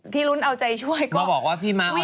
ที่รุ้นเอาใจช่วยก็วิ่งแตกหมด